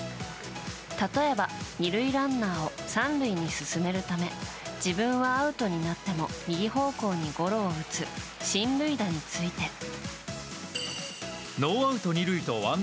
例えば、２塁ランナーを３塁に進めるため自分はアウトになって右方向にゴロを打つ進塁打について。